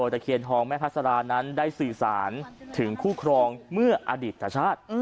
ตะเคียนทองแม่พัสรานั้นได้สื่อสารถึงคู่ครองเมื่ออดีตชาติ